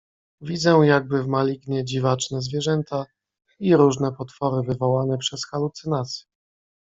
"Widzę jakby w malignie dziwaczne zwierzęta i różne potwory, wywołane przez halucynację."